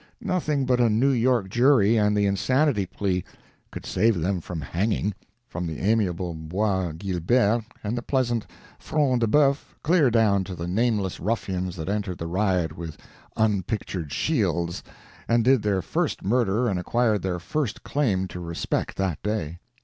Nothing but a New York jury and the insanity plea could save them from hanging, from the amiable Bois Guilbert and the pleasant Front de Boeuf clear down to the nameless ruffians that entered the riot with unpictured shields and did their first murder and acquired their first claim to respect that day.